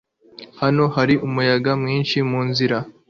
Hano hari umuyaga mwinshi munzira